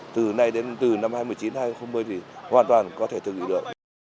từ nay đến từ năm hai nghìn một mươi chín hai nghìn hai mươi thì hoàn toàn có thể thực hiện được